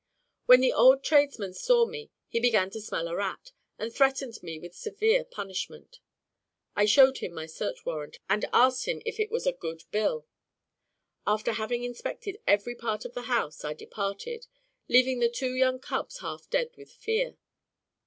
When the old tradesman saw me he began to smell a rat, and threatened me with severe punishment. I shewed him my search warrant, and asked him if it was a good bill. After having inspected every part of the house, I departed, leaving the two young cubs half dead with fear.